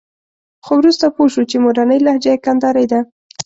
خو وروسته پوه شو چې مورنۍ لهجه یې کندارۍ ده.